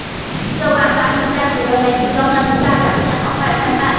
这款产品在主流媒体中的评价表现好坏参半。